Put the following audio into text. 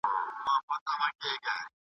هغه د تازه میوو په مینځلو بوخت دی.